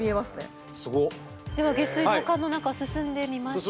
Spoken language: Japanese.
では下水道管の中進んでみましょうか。